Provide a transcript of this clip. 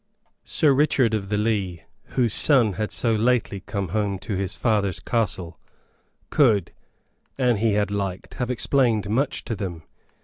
Sir Richard of the Lee, whose son had so lately come home to his father's castle, could, an he had liked, have explained much to them.